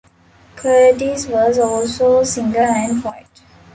Curtis was also a singer and poet.